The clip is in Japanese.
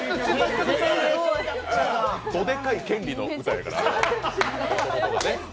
どでかい権利の右手から。